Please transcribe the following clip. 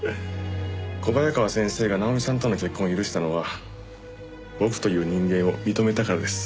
小早川先生が奈穂美さんとの結婚を許したのは僕という人間を認めたからです。